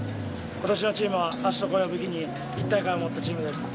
ことしのチームは足と声を武器に一体感を持ったチームです。